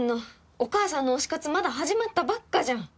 お母さんの推し活まだ始まったばっかじゃん！